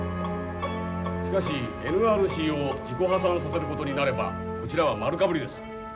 しかしＮＲＣを自己破産させることになればこちらは丸かぶりです。